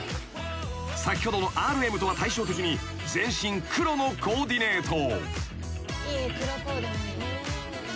［先ほどのＲＭとは対照的に全身黒のコーディネート］